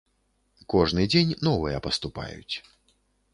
Кожны дзень новыя паступаюць.